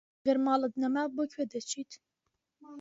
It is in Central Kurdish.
ئەگەر ماڵت نەما بۆ کوێ دەچیت؟